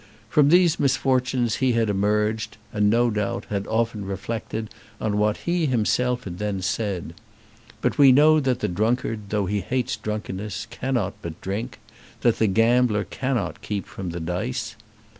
From these misfortunes he had emerged, and, no doubt, had often reflected on what he himself had then said. But we know that the drunkard, though he hates drunkenness, cannot but drink, that the gambler cannot keep from the dice.